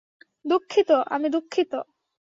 দুঃখিত, আমি দুঃখিত।